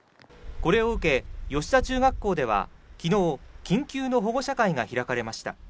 これを受け吉田中学校では昨日、緊急の保護者会が開かれました。